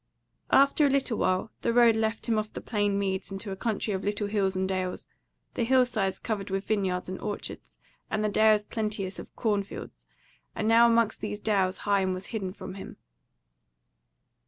After a little while the road led him off the plain meads into a country of little hills and dales, the hill sides covered with vineyards and orchards, and the dales plenteous of corn fields; and now amongst these dales Higham was hidden from him.